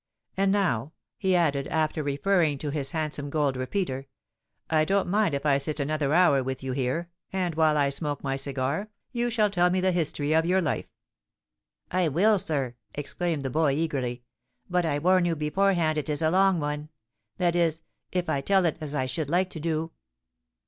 And now," he added, after referring to his handsome gold repeater, "I don't mind if I sit another hour with you here; and while I smoke my cigar, you shall tell me the history of your life." "I will, sir," exclaimed the boy, eagerly. "But I warn you beforehand it is a long one—that is, if I tell it as I should like to do."